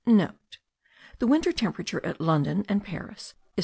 (* The winter temperature at London and Paris is 4.